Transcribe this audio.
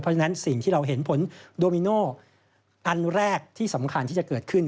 เพราะฉะนั้นสิ่งที่เราเห็นผลโดมิโนอันแรกที่สำคัญที่จะเกิดขึ้น